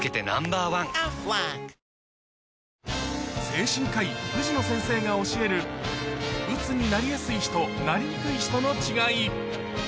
精神科医藤野先生が教えるうつになりやすい人なりにくい人の違い